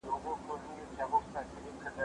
هغه زر زر جملې خو پاته سوې